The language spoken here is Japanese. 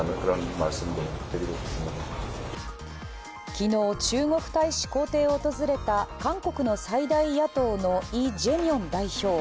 昨日、中国大使公邸を訪れた韓国の最大野党のイ・ジェミョン代表。